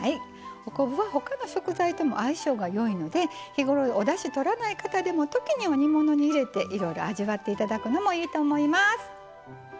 お昆布はほかの食材とも相性がいいので日頃、おだしをとらない方でも時には煮物に入れていろいろ味わっていただくのもいいと思います。